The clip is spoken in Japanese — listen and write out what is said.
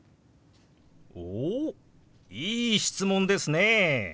おおっいい質問ですね。